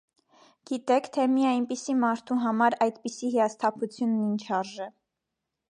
Գիտեք, թե մի այնպիսի մարդու համար այդպիսի հիասթափությունն ինչ արժե…